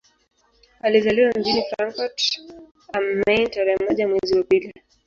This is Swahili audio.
Alizaliwa mjini Frankfurt am Main tarehe moja mwezi wa pili